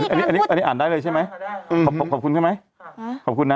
อันนี้อันนี้อ่านได้เลยใช่ไหมขอบคุณใช่ไหมขอบคุณนะ